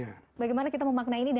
dan bagaimana kita harus memaknai ini